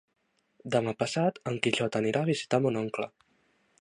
Demà passat en Quixot anirà a visitar mon oncle.